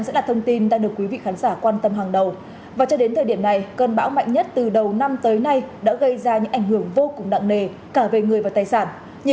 xin chào quý vị và các bạn